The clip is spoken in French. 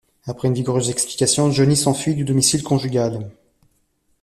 Après une vigoureuse explication, Johnny s'enfuit du domicile conjugal.